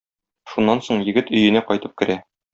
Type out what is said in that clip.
Шуннан соң егет өенә кайтып керә.